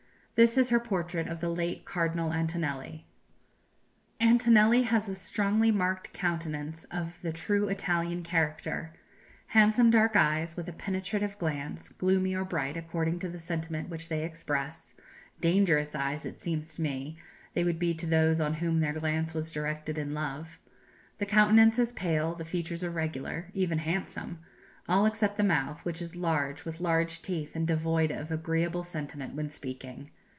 This is her portrait of the late Cardinal Antonelli: "Antonelli has a strongly marked countenance of the true Italian character; handsome dark eyes, with a penetrative glance, gloomy or bright according to the sentiment which they express; dangerous eyes, it seems to me, they would be to those on whom their glance was directed in love. The countenance is pale; the features are regular even handsome all except the mouth, which is large, with large teeth, and devoid of agreeable sentiment when speaking.